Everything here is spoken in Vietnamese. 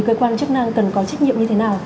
cơ quan chức năng cần có trách nhiệm như thế nào